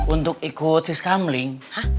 untuk ikut sis kamling